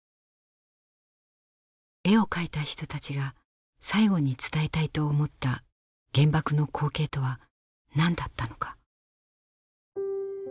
絵を描いた人たちが最後に伝えたいと思った原爆の光景とは何だったのか。